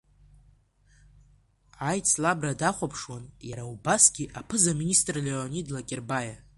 Аицлабра дахәаԥшуан иара убасгьы аԥыза-министр Леонид Лакербаиа.